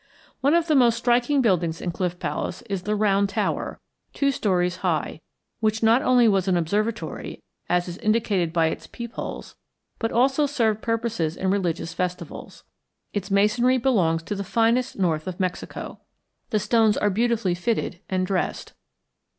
One of the most striking buildings in Cliff Palace is the Round Tower, two stories high, which not only was an observatory, as is indicated by its peep holes, but also served purposes in religious festivals. Its masonry belongs to the finest north of Mexico. The stones are beautifully fitted and dressed.